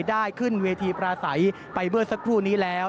ได้ขึ้นเวทีปราศัยไปเมื่อสักครู่นี้แล้ว